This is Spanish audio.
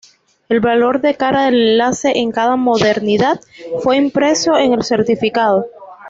El valor de cara del enlace, en cada modernidad, fue impreso en el certificado.